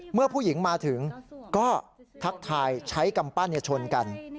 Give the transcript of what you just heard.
เมื่อผู้หญิงมาถึงก็ทักทายใช้กำปั้นชนกัน